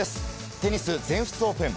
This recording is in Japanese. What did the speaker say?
テニス全仏オープン。